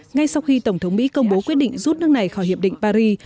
ngay sau khi tổng thống mỹ công bố quyết định rút nước này khỏi hiệp định paris